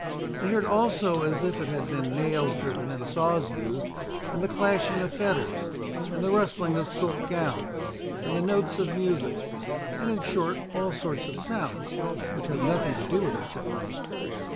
They heard also as if it had been nails driven and saws used, and the clashing of fetters, and the rustling of silk gowns, and the notes of music, and in short all sorts of sounds which have nothing to do with each other.